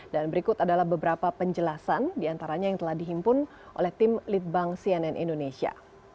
dan berikut adalah beberapa penjelasan diantaranya yang telah dihimpun oleh tim litbang cnn indonesia